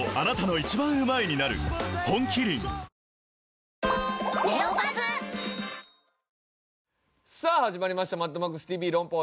本麒麟さあ始まりました『マッドマックスＴＶ論破王』。